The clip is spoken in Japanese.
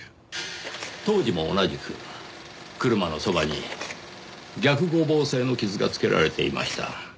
当時も同じく車のそばに逆五芒星の傷が付けられていました。